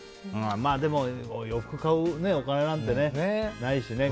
でも洋服買うお金なんてないしね。